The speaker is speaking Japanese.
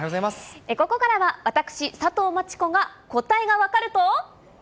ここからは私、佐藤真知子が答えが分かると。